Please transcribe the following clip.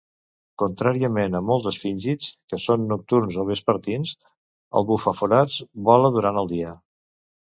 Contràriament a molts esfíngids, que són nocturns o vespertins, el bufaforats vola durant el dia.